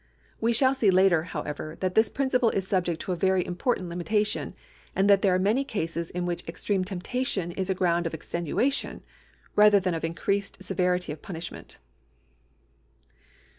We shall see later, however, that this principle is subject to a very important limitation, and that there are many cases in which extreme temptation is a ground of extenuation rather than of increased severity of punishment.